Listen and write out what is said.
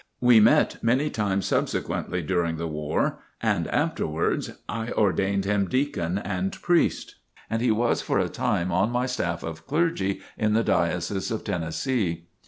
We met many times subsequently during the war and afterwards, I ordained him deacon and priest, and he was for a time on my staff of clergy in the Diocese of Tennessee.